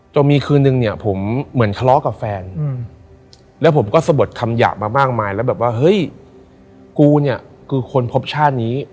มีคืนนึงเนี่ยผมเหมือนทะเลาะกับแฟนแล้วผมก็สะบดคำหยาบมามากมายแล้วแบบว่าเฮ้ยกูเนี่ยคือคนพบชาตินี้